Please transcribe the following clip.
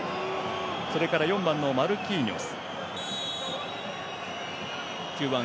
それから４番のマルキーニョス。